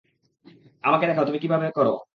আমাকে দেখাও, তুমি কীভাবে কর।